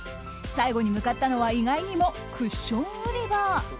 最後に向かったのは意外にも、クッション売り場。